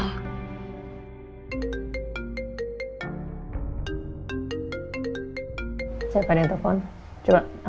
apa yang sebenarnya sering terjadi dengan al